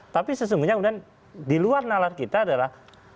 tapi sesungguhnya kemudian di luar nalar kita adalah